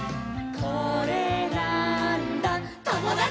「これなーんだ『ともだち！』」